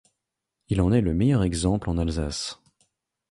Il en est le meilleur exemple en Alsace.